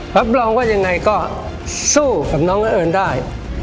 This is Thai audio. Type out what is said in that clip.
พักปลอมว่ายังไงก็สู้กับน้องอันเอิญได้